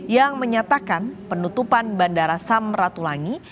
yang menyatakan penutupan bandara samratulangi